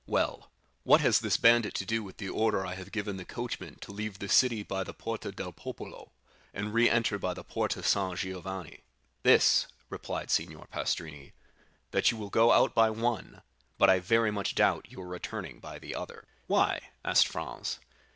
"Well, what has this bandit to do with the order I have given the coachman to leave the city by the Porta del Popolo, and to re enter by the Porta San Giovanni?" 20101m "This," replied Signor Pastrini, "that you will go out by one, but I very much doubt your returning by the other." "Why?" asked Franz.